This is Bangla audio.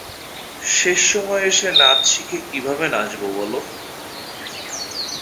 শেষ সময়ে এসে নাচ শিখে কীভাবে নাচব বল?